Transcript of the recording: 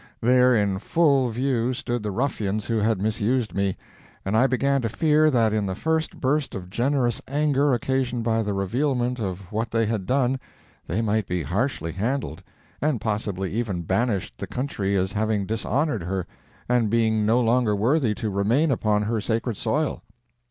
There in full view stood the ruffians who had misused me, and I began to fear that in the first burst of generous anger occasioned by the revealment of what they had done, they might be harshly handled, and possibly even banished the country as having dishonoured her and being no longer worthy to remain upon her sacred soil.